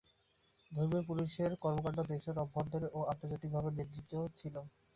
ধর্মীয় পুলিশের কর্মকাণ্ড দেশের অভ্যন্তরে ও আন্তর্জাতিকভাবে নিন্দিত হয়েছিল।